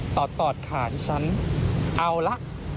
ตอดตอดขาดดิฉันเอาล่ะ